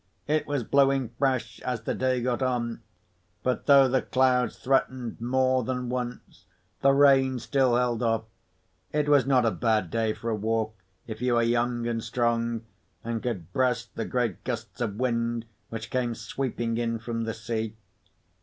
It was blowing fresh, as the day got on. But though the clouds threatened more than once, the rain still held off. It was not a bad day for a walk, if you were young and strong, and could breast the great gusts of wind which came sweeping in from the sea.